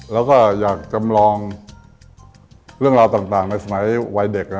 แล้วก็อยากจำลองเรื่องราวต่างในสมัยวัยเด็ก